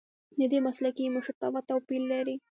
ددې مسلک مشرتابه توپیر لري.